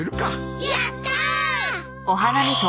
やったー！